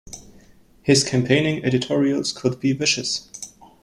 His campaigning editorials could be vicious.